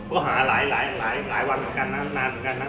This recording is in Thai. ก็หาหลายวันเหมือนกันนะนานเหมือนกันนะ